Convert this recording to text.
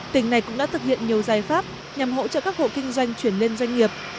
tỉnh này cũng đã thực hiện nhiều giải pháp nhằm hỗ trợ các hộ kinh doanh chuyển lên doanh nghiệp